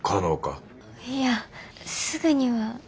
いやすぐには。